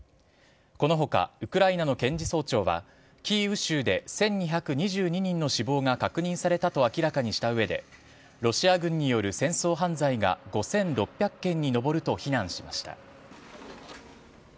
このほかウクライナの検事総長は、キーウ州で、１２２２人の死亡が確認されたと明らかにしたうえで、ロシア軍による戦争犯罪が５６００件に上ると非難しました。